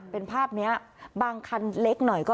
เป็นภาพนี้บางคันเล็กหน่อยก็